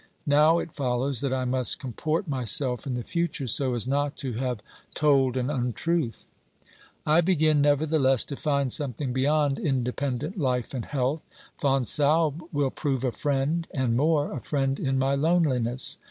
Now, it follows that I must comport myself in the future so as not to have told an untruth. I begin, nevertheless, to find something beyond inde pendent life and health. Fonsalbe will prove a friend, and more, a friend in my loneliness.